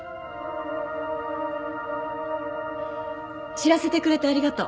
知らせてくれてありがとう。